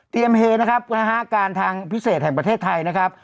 เตรียมเฮนะครับการทางพิเศษแห่งประเทศไทยนะครับ